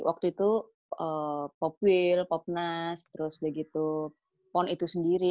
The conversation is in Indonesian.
waktu itu pop wheel pop nas terus begitu pon itu sendiri